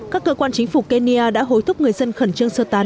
các cơ quan chính phủ kenya đã hối thúc người dân khẩn trương sơ tán